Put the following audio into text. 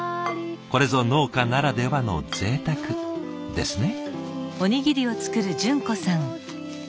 これぞ農家ならではのぜいたくですね。